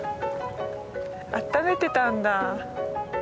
あっためてたんだ。